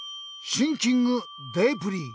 シンキングデープリー。